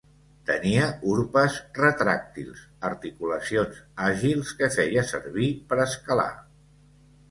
Tenia urpes retràctils, articulacions àgils que feia servir per escalar.